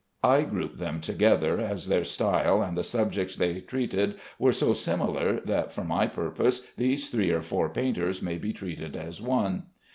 I group them together, as their style and the subjects they treated were so similar that for my purpose these three or four painters may be treated as one.